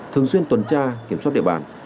thường xuyên tuần tra kiểm soát địa bàn